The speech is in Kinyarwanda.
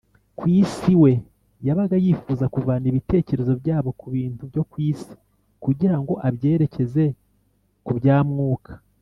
ku isi, we yabaga yifuza kuvana ibitekerezo byabo ku bintu byo ku isi kugira ngo abyerekeze ku bya mwuka